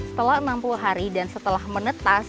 setelah enam puluh hari dan setelah menetas